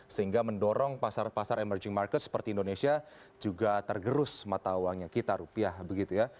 sehingga mendorong pasar pasar emerging market seperti indonesia juga tergerus mata uangnya kita rupiah begitu ya